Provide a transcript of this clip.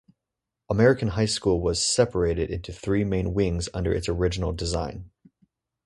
American High School was separated into three main wings under its original design.